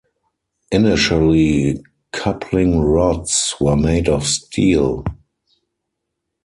Initially, coupling rods were made of steel.